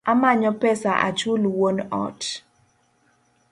Amanyo pesa achul wuon ot